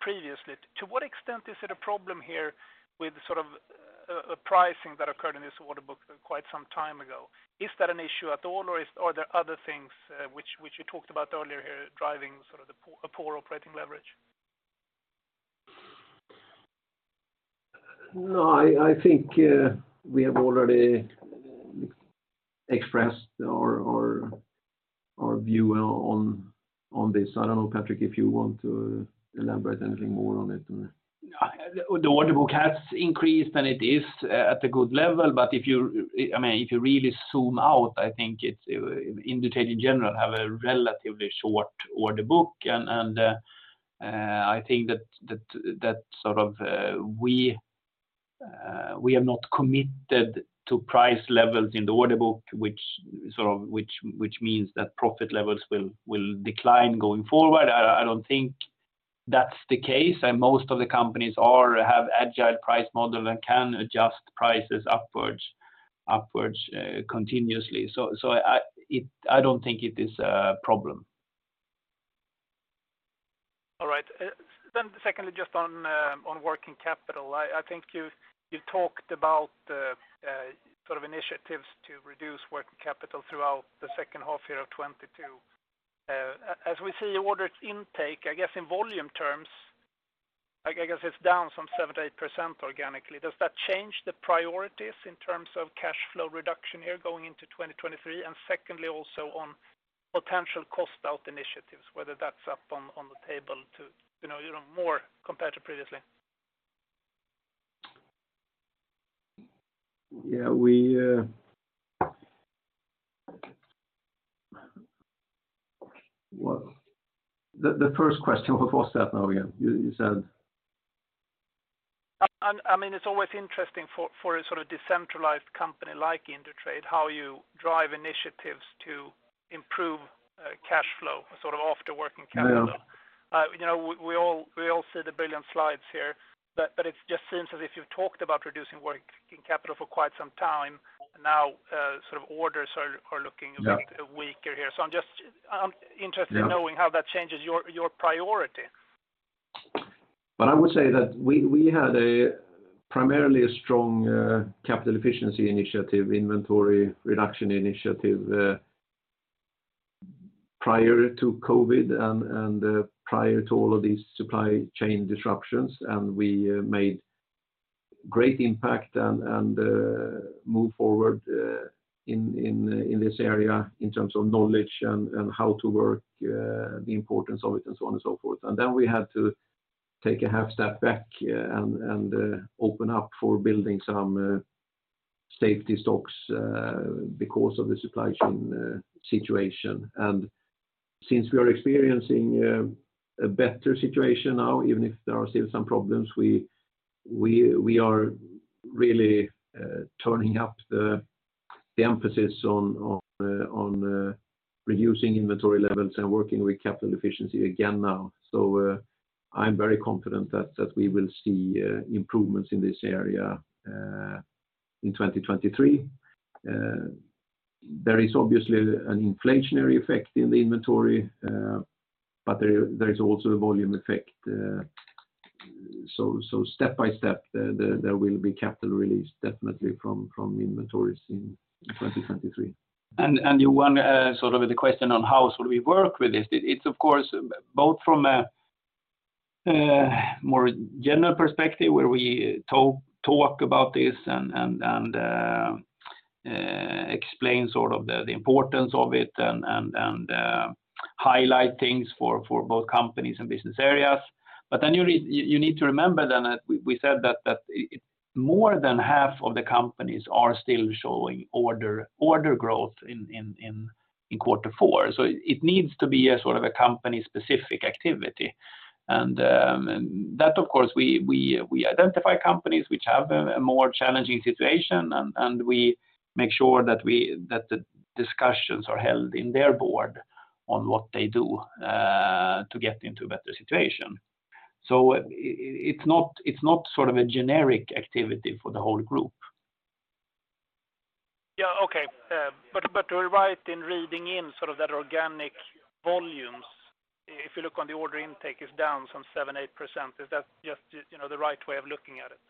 previously. To what extent is it a problem here with sort of a pricing that occurred in this order book quite some time ago? Is that an issue at all, or are there other things which you talked about earlier here driving sort of a poor operating leverage? No, I think, we have already expressed our view on this. I don't know, Patrik, if you want to elaborate anything more on it or... No. The order book has increased, and it is at a good level. If you, I mean, if you really zoom out, I think it's, Indutrade in general have a relatively short order book. I think that sort of we are not committed to price levels in the order book, which means that profit levels will decline going forward. I don't think that's the case. Most of the companies have agile price model and can adjust prices upwards continuously. I don't think it is a problem. Secondly, just on working capital. I think you talked about sort of initiatives to reduce working capital throughout the second half of 2022. As we see orders intake, I guess in volume terms, like I guess it's down some 7%-8% organically. Does that change the priorities in terms of cash flow reduction here going into 2023? Secondly, also on potential cost out initiatives, whether that's up on the table to, you know, more compared to previously. Yeah. We... The first question, what was that now again? You said? I mean, it's always interesting for a sort of decentralized company like Indutrade, how you drive initiatives to improve cash flow sort of off the working capital. Yeah. You know, we all see the brilliant slides here, but it just seems as if you've talked about reducing working capital for quite some time now, sort of orders are looking- Yeah. A bit weaker here. I'm interested. Yeah.... Knowing how that changes your priority. I would say that we had a primarily a strong, capital efficiency initiative, inventory reduction initiative, prior to COVID and prior to all of these supply chain disruptions. We made great impact and move forward in this area in terms of knowledge and how to work, the importance of it and so on and so forth. Then we had to take a half step back and open up for building some. Safety stocks, because of the supply chain situation. Since we are experiencing a better situation now, even if there are still some problems, we are really turning up the emphasis on reducing inventory levels and working with capital efficiency again now. I'm very confident that we will see improvements in this area in 2023. There is obviously an inflationary effect in the inventory, but there is also a volume effect. Step by step, there will be capital release definitely from inventories in 2023. You want, sort of the question on how should we work with this. It's of course both from a more general perspective where we talk about this and explain sort of the importance of it and highlight things for both companies and business areas. You need to remember then that we said that more than half of the companies are still showing order growth in Q4. It needs to be a sort of a company specific activity. That of course, we identify companies which have a more challenging situation and we make sure that the discussions are held in their board on what they do to get into a better situation. It's not sort of a generic activity for the whole group. Yeah. Okay. We're right in reading in sort of that organic volumes, if you look on the order intake is down some 7%, 8%. Is that just, you know, the right way of looking at it?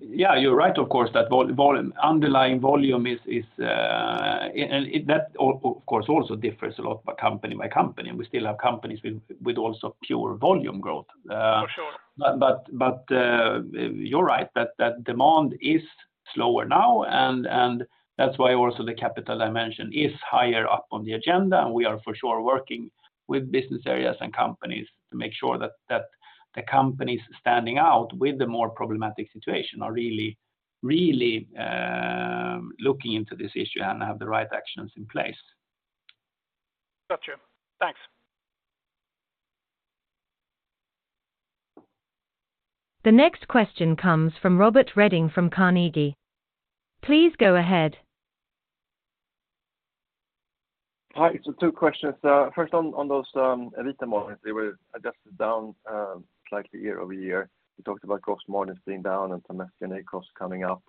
Yeah, you're right, of course, that volume underlying volume is. That of course also differs a lot by company. We still have companies with also pure volume growth. For sure. You're right that demand is slower now. That's why also the capital dimension is higher up on the agenda. We are for sure working with business areas and companies to make sure that the companies standing out with the more problematic situation are really looking into this issue and have the right actions in place. Got you. Thanks. The next question comes from Robert Redin from Carnegie. Please go ahead. Hi. Two questions. first on those EBITDA margins, they were adjusted down slightly year-over-year. You talked about gross margins being down and some SG&A costs coming up.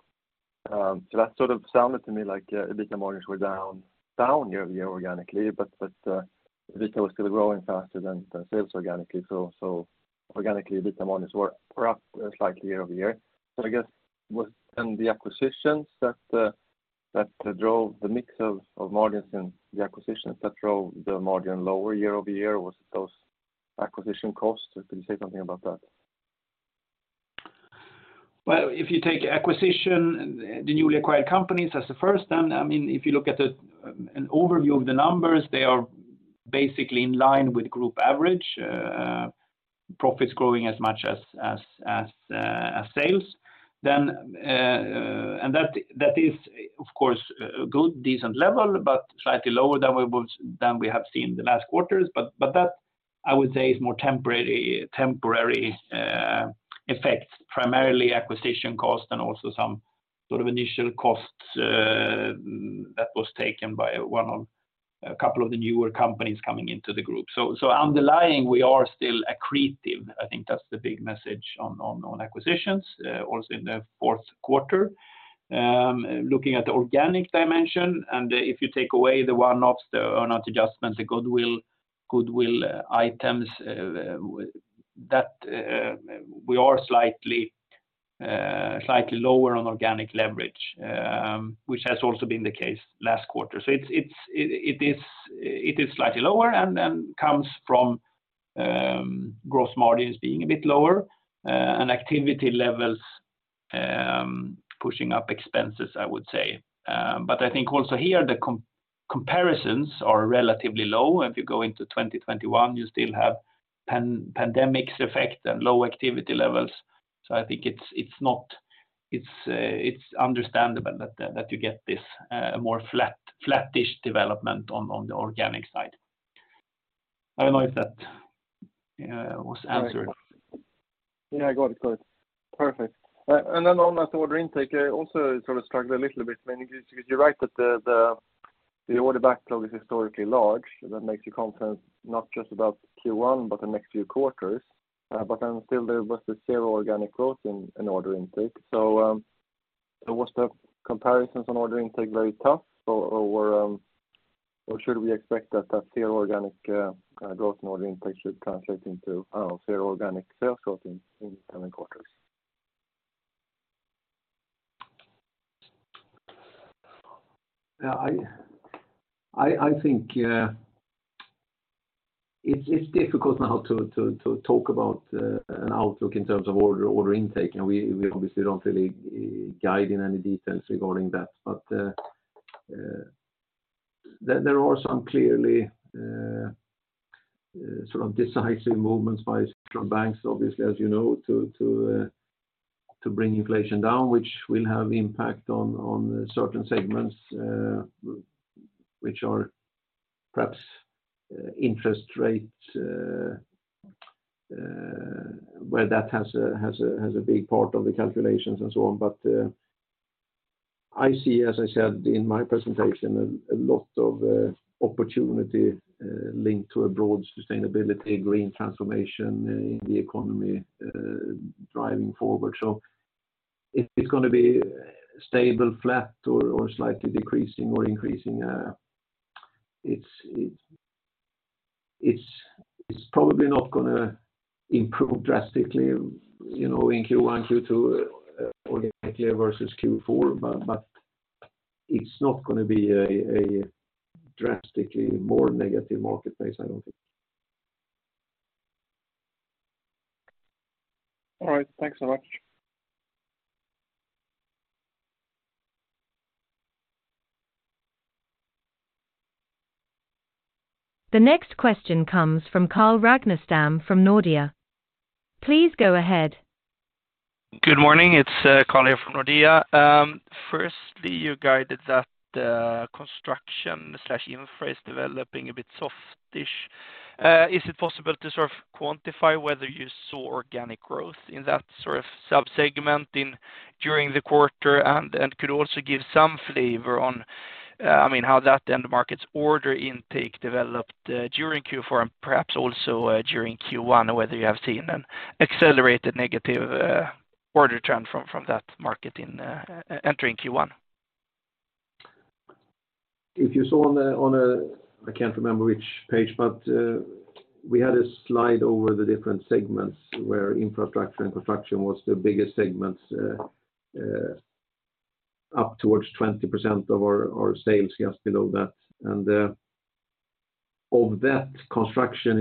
That sort of sounded to me like EBITDA margins were down year-over-year organically, but EBITDA was still growing faster than the sales organically. Organically EBITDA margins were up slightly year-over-year. I guess with then the acquisitions that drove the mix of margins and the acquisitions that drove the margin lower year-over-year, was those acquisition costs? Could you say something about that? If you take acquisition, the newly acquired companies as the first then, I mean, if you look at an overview of the numbers, they are basically in line with group average, profits growing as much as sales. And that is of course a good decent level, but slightly lower than we have seen the last quarters. But that I would say is more temporary effects, primarily acquisition costs and also some sort of initial costs that was taken by one of a couple of the newer companies coming into the group. So underlying we are still accretive. I think that's the big message on acquisitions also in the fourth quarter. Looking at the organic dimension, if you take away the one-offs, the earn-out adjustments, the goodwill items, that we are slightly lower on organic leverage, which has also been the case last quarter. It is slightly lower and comes from gross margins being a bit lower, and activity levels pushing up expenses, I would say. I think also here the comparisons are relatively low. If you go into 2021, you still have pandemic's effect and low activity levels. I think it's not, it's understandable that you get this more flat, flattish development on the organic side. I don't know if that was answered. Yeah, I got it. Got it. Perfect. On that order intake, I also sort of struggled a little bit. I mean, 'cause you write that the, the order backlog is historically large, that makes you confident not just about Q1 but the next few quarters. Still there was the zero organic growth in order intake. Was the comparisons on order intake very tough or should we expect that that zero organic growth in order intake should translate into zero organic sales growth in coming quarters? Yeah, I think it's difficult now to talk about an outlook in terms of order intake. We obviously don't really guide in any details regarding that. There are some clearly decisive movements by central banks, obviously, as you know, to bring inflation down, which will have impact on certain segments which are perhaps interest rates where that has a big part of the calculations and so on. I see, as I said in my presentation, a lot of opportunity linked to a broad sustainability green transformation in the economy driving forward. If it's going to be stable, flat or slightly decreasing or increasing, it's probably not going to improve drastically in Q1, Q2 organically versus Q4, but it's not going to be a drastically more negative marketplace, I don't think. All right. Thanks so much. The next question comes from Carl Ragnerstam from Nordea. Please go ahead. Good morning. It's Carl here from Nordea. Firstly, you guided that construction/infrastructure is developing a bit softish. Is it possible to quantify whether you saw organic growth in that subsegment during the quarter? Could also give some flavor on how that end market's order intake developed during Q4 and perhaps also during Q1, whether you have seen an accelerated negative order trend from that market entering Q1? If you saw on, I can't remember which page, but we had a slide over the different segments where infrastructure and production was the biggest segments up towards 20% of our sales, just below that. Of that, construction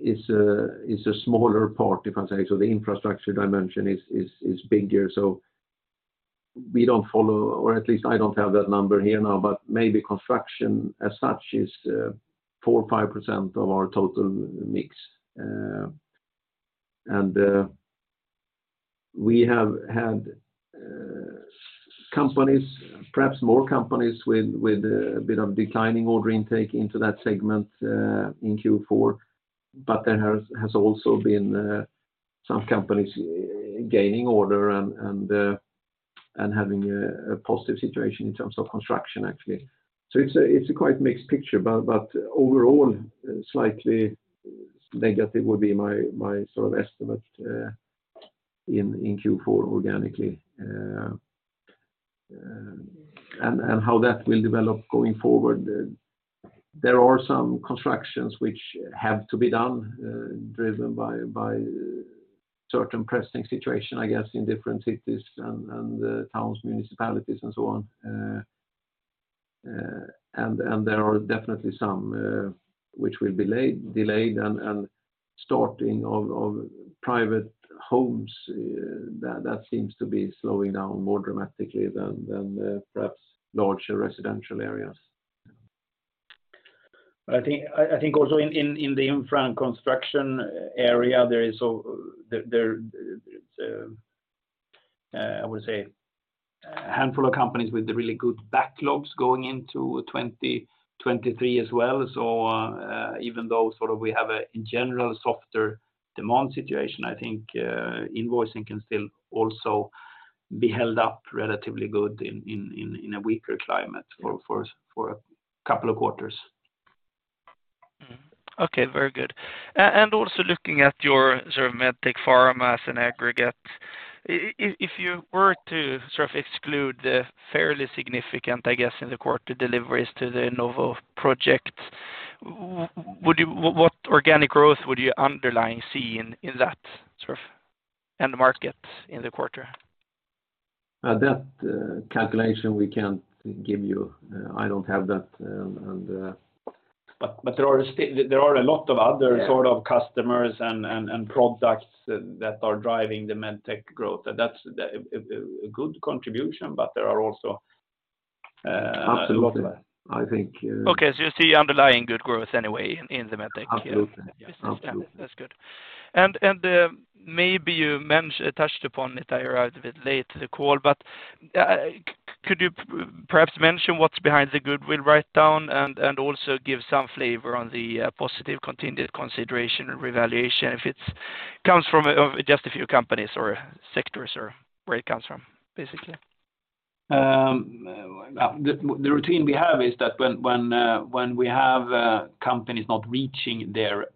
is a smaller part, if I say. The infrastructure dimension is bigger. We don't follow, or at least I don't have that number here now, but maybe construction as such is 4% or 5% of our total mix. We have had companies, perhaps more companies with a bit of declining order intake into that segment in Q4, but there has also been some companies gaining order and having a positive situation in terms of construction, actually. It's a quite mixed picture, but overall, slightly negative would be my estimate in Q4 organically. How that will develop going forward, there are some constructions which have to be done, driven by certain pressing situation, I guess, in different cities and towns, municipalities, and so on. There are definitely some which will be delayed and starting of private homes, that seems to be slowing down more dramatically than perhaps larger residential areas. I think also in the infra and construction area, there is, I would say, a handful of companies with really good backlogs going into 2023 as well. Even though we have a, in general, softer demand situation, I think invoicing can still also be held up relatively good in a weaker climate for a couple of quarters. Okay, very good. Also looking at your MedTech pharma as an aggregate, if you were to exclude the fairly significant, I guess, in the quarter deliveries to the Novo project, what organic growth would you underlying see in that end market in the quarter? That calculation we can't give you. I don't have that. There are a lot of other customers and products that are driving the MedTech growth. That's a good contribution, but there are also a lot of that. Absolutely. Okay, you see underlying good growth anyway in the MedTech business. Absolutely. That's good. Maybe you touched upon it, I arrived a bit late to the call, but could you perhaps mention what's behind the goodwill write down and also give some flavor on the positive continued consideration revaluation, if it comes from just a few companies or sectors or where it comes from, basically? The routine we have is that when we have companies not reaching their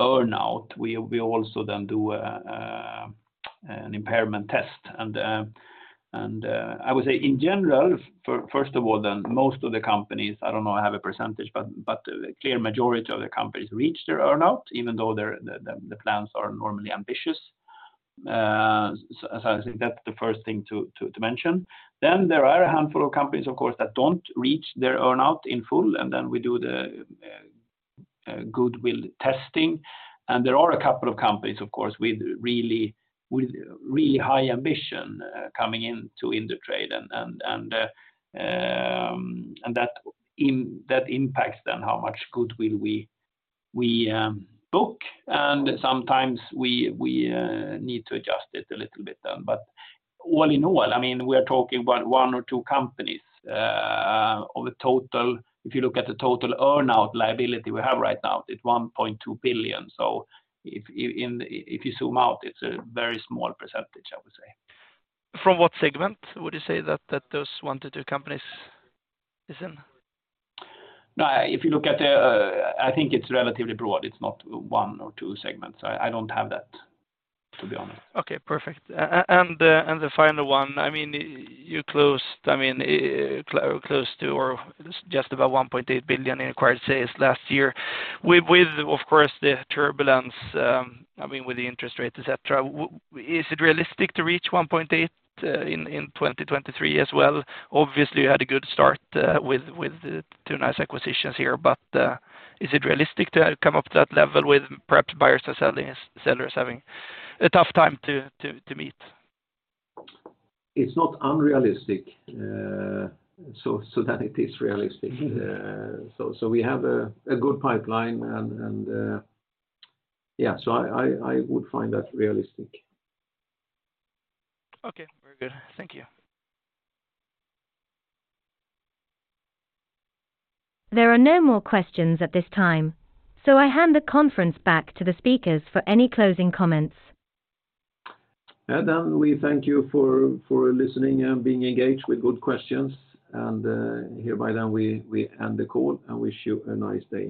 earn-out, we also then do an impairment test. I would say in general, first of all, then most of the companies, I don't know, I have a percentage, but a clear majority of the companies reach their earn-out, even though the plans are normally ambitious. I think that's the first thing to mention. There are a handful of companies, of course, that don't reach their earn-out in full, and then we do the goodwill testing. There are a couple of companies, of course, with really high ambition coming into Indutrade and that impacts then how much goodwill we book. Sometimes we need to adjust it a little bit then. All in all, I mean, we are talking about one or two companies of a total. If you look at the total earn-out liability we have right now, it's 1.2 billion. If you zoom out, it's a very small percentage, I would say. From what segment would you say that those one-two companies is in? No, if you look at the... I think it's relatively broad. It's not one or two segments. I don't have that, to be honest. Okay, perfect. The final one. I mean, you closed, I mean, close to or just about 1.8 billion in acquired sales last year. With, of course, the turbulence, I mean, with the interest rates, et cetera, is it realistic to reach 1.8 billion in 2023 as well? Obviously, you had a good start with two nice acquisitions here. Is it realistic to come up to that level with perhaps buyers or sellers having a tough time to meet? It's not unrealistic, so that it is realistic. We have a good pipeline and yeah. I would find that realistic. Okay. Very good. Thank you. There are no more questions at this time, so I hand the conference back to the speakers for any closing comments. We thank you for listening and being engaged with good questions. Hereby then we end the call and wish you a nice day.